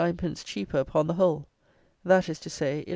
_ cheaper, upon the whole; that is to say, 11_s.